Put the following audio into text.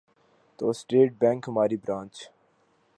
تو State Bank ہماری branch